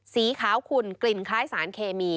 สีขาวขุ่นกลิ่นคล้ายสารเคมี